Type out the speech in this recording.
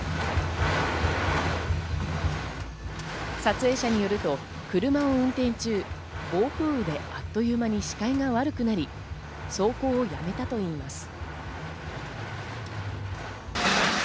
撮影者によると、車を運転中、暴風雨であっという間に視界が悪くなり、走行をやめたといいます。